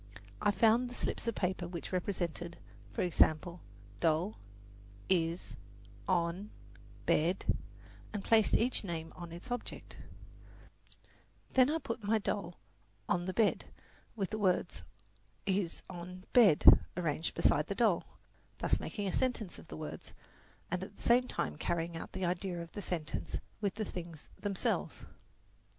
I found the slips of paper which represented, for example, "doll," "is," "on," "bed" and placed each name on its object; then I put my doll on the bed with the words is, on, bed arranged beside the doll, thus making a sentence of the words, and at the same time carrying out the idea of the sentence with the things themselves.